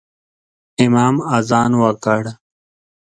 امام اذان وکړ